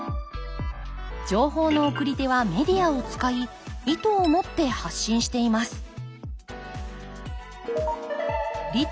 情報の送り手はメディアを使い意図を持って発信しています